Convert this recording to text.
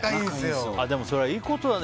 でも、それはいいことだね。